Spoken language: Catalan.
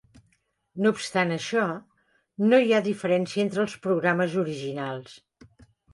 No obstant això, no hi ha diferència entre els programes originals.